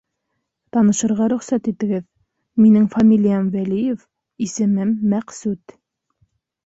Танышырға рөхсәт итегеҙ. Минең фамилиям Вәлиев, исемем Мәҡсүт.